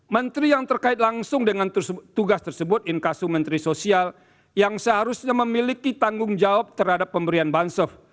menteri yang terkait langsung dengan tugas tersebut inkasu menteri sosial yang seharusnya memiliki tanggung jawab terhadap pemberian bansof